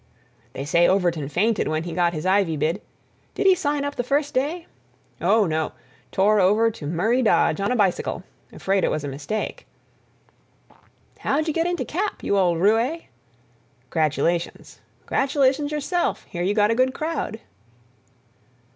"They say Overton fainted when he got his Ivy bid—Did he sign up the first day?—oh, no. Tore over to Murray Dodge on a bicycle—afraid it was a mistake." "How'd you get into Cap—you old roue?" "'Gratulations!" "'Gratulations yourself. Hear you got a good crowd."